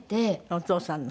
お父さんの？